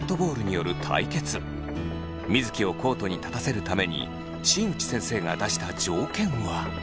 水城をコートに立たせるために新内先生が出した条件は。